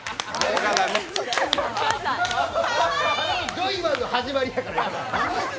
ジョイマンの始まりやから。